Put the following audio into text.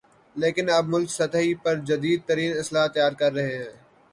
لیکن اب ملک سطحی پر جدیدترین اسلحہ تیار کررہے ہیں